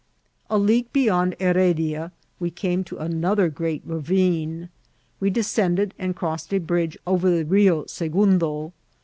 A league beyond Heredia we came to another great ravine. We descended, and crossed a bridge oyer the Bio Segondo.